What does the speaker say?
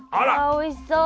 おいしそう！